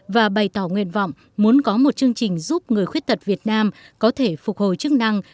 và bày tỏ nguyện vọng muốn có một chương trình giúp người khuyết tật việt nam có thể phục hồi chức năng